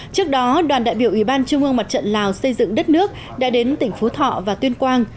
trước đó đoàn đại biểu ủy ban trung ương mặt trận lào xây dựng đất nước đã đến tỉnh phú thọ và tuyên quang